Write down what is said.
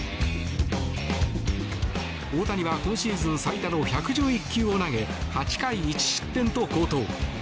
大谷は今シーズン最多の１１１球を投げ８回１失点と好投。